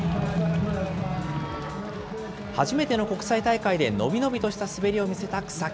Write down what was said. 初めての国際大会で伸び伸びとした滑りを見せた草木。